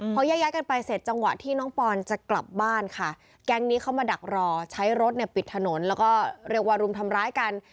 พอแยกย้ายกันไปเสร็จจังหวะที่น้องปอนจะกลับบ้านค่ะแก๊งนี้เข้ามาดักรอใช้รถเนี่ยปิดถนนแล้วก็เรียกว่ารุมทำร้ายกัน